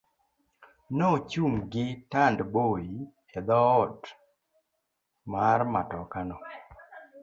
Nochung' gi tandboi e doot mar matoka no.